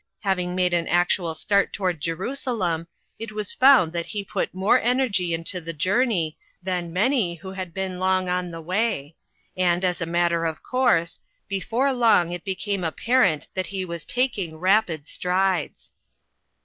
Hav ing made an actual start toward Jerusalem, it was found that he put more energy into the journey than many who had been long on the way; and, as a matter of course, before long it became apparent that he was taking rapid strides.